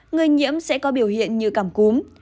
người nhiễm sẽ có biểu hiện như cảm cúm